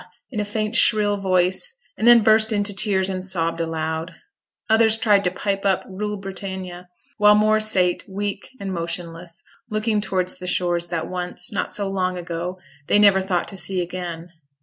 in a faint shrill voice, and then burst into tears and sobbed aloud. Others tried to pipe up 'Rule Britannia', while more sate, weak and motionless, looking towards the shores that once, not so long ago, they never thought to see again.